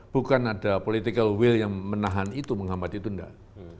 bukan ada political will yang menahan itu menghambat itu enggak